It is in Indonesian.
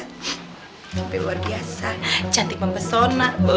sampai luar biasa cantik mempesona